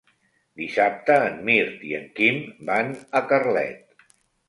Dissabte en Mirt i en Quim van a Carlet.